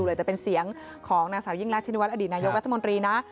เหลือแต่เป็นเสียงของนางสาวยิ่งรักชินวัฒอดีตนายกรัฐมนตรีนะ